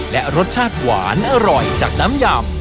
และรสชาติหวานอร่อยจากน้ำยำ